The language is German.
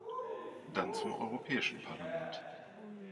Dann zum Europäischen Parlament.